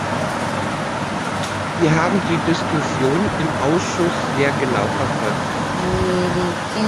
Wir haben die Diskussion im Ausschuss sehr genau verfolgt.